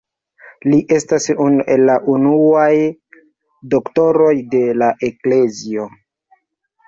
Li estas unu el la unuaj Doktoroj de la Eklezio.